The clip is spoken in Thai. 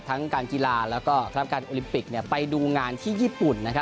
การกีฬาแล้วก็คณะการโอลิมปิกไปดูงานที่ญี่ปุ่น